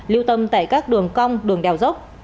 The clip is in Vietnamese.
lưu tâm tại các đường cong đường đèo dốc